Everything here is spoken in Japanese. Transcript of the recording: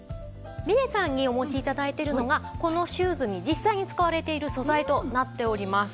みれさんにお持ち頂いているのがこのシューズに実際に使われている素材となっております。